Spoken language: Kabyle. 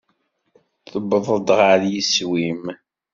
Tewwḍeḍ ɣer yiswi-m?